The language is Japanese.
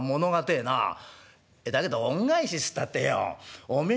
だけど恩返しったってよおめえ